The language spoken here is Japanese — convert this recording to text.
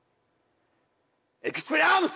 エクスペリアームス！